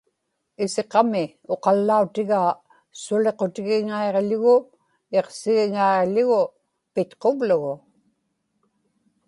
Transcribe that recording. isiqami uqallautigaa suqutigiŋaiġḷugu iqsigiŋaiġḷugu itquvlugu